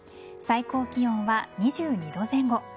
最高気温は２２度前後。